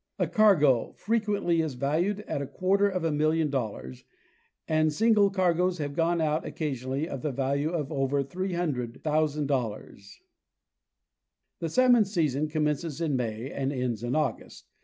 A cargo frequently is valued at a quarter of a million dollars, and single cargoes have gone out occasionally of the value of over $300,000. The salmon season commences in May and ends in August.